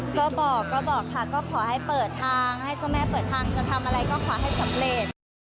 ก็บอกก็บอกค่ะก็ขอให้เปิดทางให้เจ้าแม่เปิดทางจะทำอะไรก็ขอให้สำเร็จ